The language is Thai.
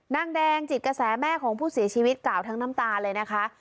นางแดงจิตกระแสแม่ของผู้เสียชีวิตกล่าวทั้งน้ำตาเลยนะคะ